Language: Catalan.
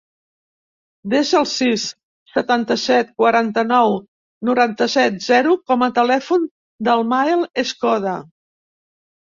Desa el sis, setanta-set, quaranta-nou, noranta-set, zero com a telèfon del Mael Escoda.